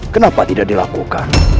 kenapa tidak dilakukan